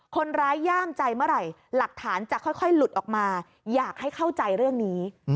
ย่ามใจเมื่อไหร่หลักฐานจะค่อยหลุดออกมาอยากให้เข้าใจเรื่องนี้